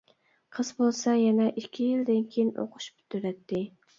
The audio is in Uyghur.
قىز بولسا يەنە ئىككى يىلدىن كېيىن ئوقۇش پۈتتۈرەتتى.